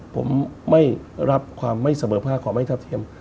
ผมไม่รับความไม่เสมอภาคความไม่เท่าเทียม